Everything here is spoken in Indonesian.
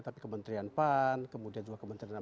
tapi kementerian pan kemudian juga kementerian